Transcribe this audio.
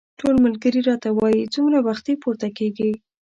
ټول ملګري راته وايي څومره وختي پورته کېږې.